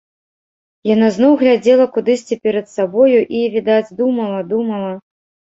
Яна зноў глядзела кудысьці перад сабою і, відаць, думала, думала.